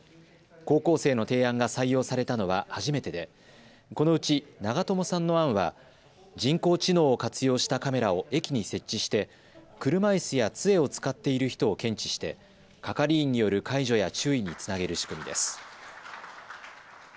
高校生の提案が採用されたのは初めてでこのうち長友さんの案は人工知能を活用したカメラを駅に設置して車いすやつえを使っている人を検知して係員による介助や注意につなげる仕組みです。